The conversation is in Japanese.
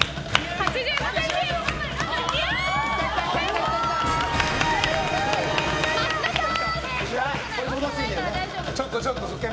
８５ｃｍ、松田さん！